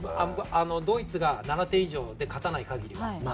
ドイツが７点以上で勝たない限りは。